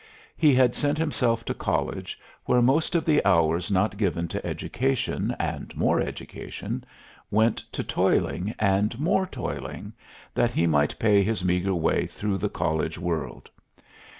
He had sent himself to college, where most of the hours not given to education and more education, went to toiling and more toiling, that he might pay his meagre way through the college world.